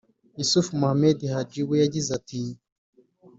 Yusuf Mohammed Haji we yagize ati